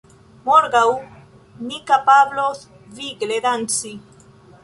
Morgaŭ ni kapablos vigle danci